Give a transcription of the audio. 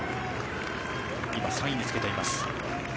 今、３位につけています。